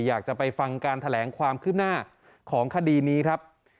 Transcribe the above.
อยากจะไปฟังการแถลงความคืบหน้าของคดีนี้ครับ